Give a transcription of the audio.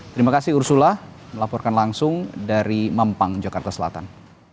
terima kasih ursula melaporkan langsung dari mampang jakarta selatan